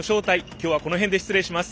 今日はこの辺で失礼します。